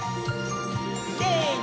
せの！